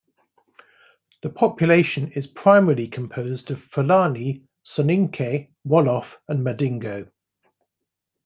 The population is primarily composed of Fulani, Soninke, Wolof and Madingo.